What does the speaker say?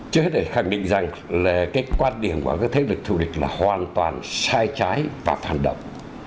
chưa hết để khẳng định rằng là cái quan điểm của các thế lực thù địch là hoàn toàn sai trái và phản động